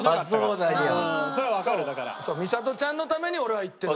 みさとちゃんのために俺は言ってるの。